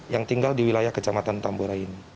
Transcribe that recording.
yang tinggal di wilayah kecamatan tambora ini